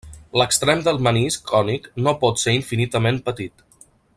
L'extrem del menisc cònic no pot ser infinitament petit.